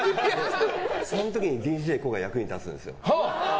その時に、ＤＪＫＯＯが役に立つんですよ。